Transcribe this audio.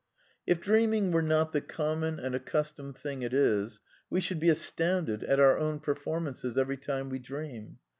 If dreaming were not the common and accustomed thing it is, we should be astounded at our own performances every time we dream.